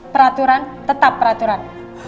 peraturan tetap peraturan